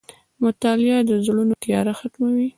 • مطالعه د زړونو تیاره ختموي.